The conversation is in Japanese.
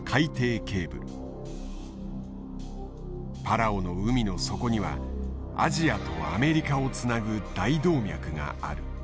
パラオの海の底にはアジアとアメリカをつなぐ大動脈がある。